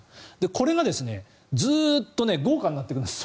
これがずっと豪華になっていくんです